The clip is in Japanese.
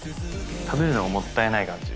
食べるのがもったいない感じ。